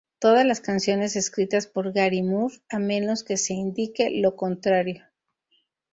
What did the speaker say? Todas las canciones escritas por Gary Moore, a menos que se indique lo contrario.